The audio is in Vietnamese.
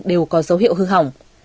đều có dấu hiệu hư hỏng